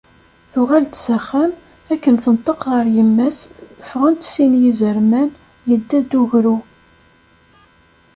Tuɣal-d s axxam, akken tenṭeq ɣer yemma-s, ﬀɣen-d sin yizerman, yedda-d ugru.